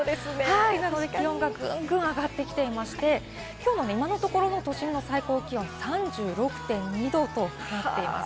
なので気温がぐんぐん上がってきていまして、きょうの今のところの都心の最高気温は３６．２℃となっています。